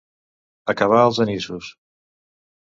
Acabar els anissos.